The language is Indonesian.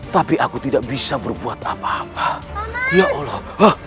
tapi aku tidak bisa berbuat apa apa ya allah